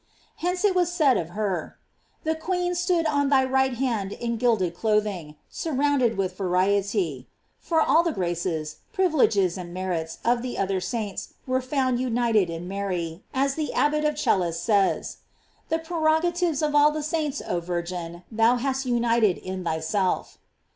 Hence it was said of her: "The queen stood on thy right hand in gilded clothing, surrounded with variety ;"f for all the graces, privileges, and merits of the other saints were found united in Mary, as the Abbot of Celles says: The prerogatives of all the saints, oh Virgin, thou hast united in thyself.